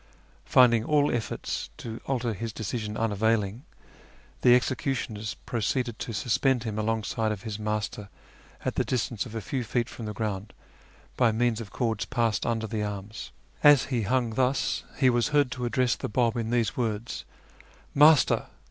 Finding all efforts to alter his decision unavailing, the executioners proceeded to suspend him alongside of his Master at the distance of a few feet from the ground by means of cords passed under the arms. As he hung thus he was heard to address the Bab in these words :" Master